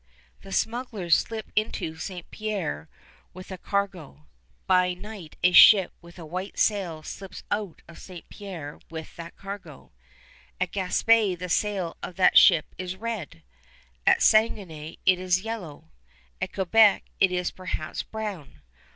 The smugglers slip into St. Pierre with a cargo. By night a ship with a white sail slips out of St. Pierre with that cargo. At Gaspé the sail of that ship is red; at Saguenay it is yellow; at Quebec it is perhaps brown.